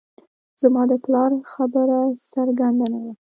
زما د پلار خبره څرګنده نه وه